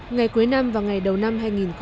ngày cuối năm và ngày đầu năm hai nghìn một mươi tám